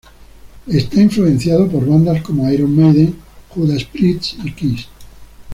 Es influenciado por bandas como Iron Maiden, Judas Priest y Kiss.